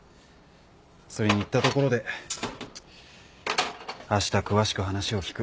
それに言ったところで「あした詳しく話を聞く」